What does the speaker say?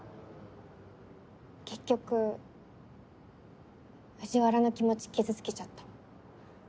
結局藤原の気持ち傷つけちゃった。